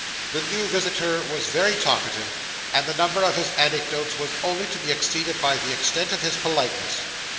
The new visitor was very talkative, and the number of his anecdotes was only to be exceeded by the extent of his politeness.